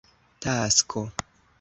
tasko